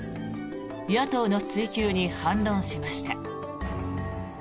野党の追及に反論しました。